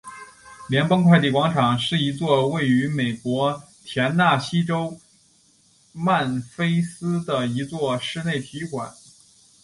联邦快递广场是一座位于美国田纳西州曼菲斯的一座室内体育馆。